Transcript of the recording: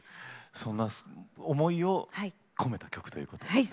そんな思いを込めた曲ということですね。